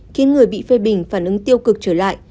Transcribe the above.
khiến người bị phê bình phản ứng tiêu cực trở lại